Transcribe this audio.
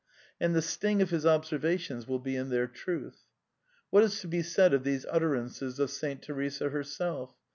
^t^ And the sting of his observations will be in their trutKT What is to be said of these utterances of Saint Teresa herself